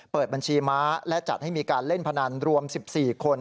เปิดบัญชีม้าและจัดให้มีการเล่นพนันรวม๑๔คน